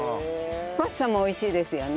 パスタも美味しいですよね。